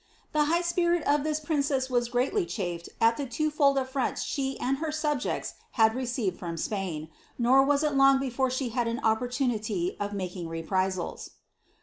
The high spirit of this princess was greatly chafed at the twofold affi ont ilie and her subjects had received from Spain, nor was it long before she had an opportunity of making reprisals.